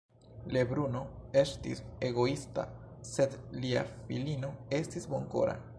Lebruno estis egoista, sed lia filino estis bonkora.